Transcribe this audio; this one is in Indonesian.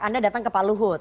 anda datang ke pak luhut